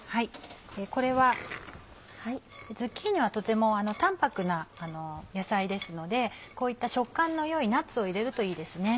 ズッキーニはとても淡泊な野菜ですのでこういった食感の良いナッツを入れるといいですね。